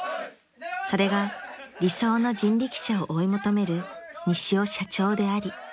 ［それが理想の人力車を追い求める西尾社長であり］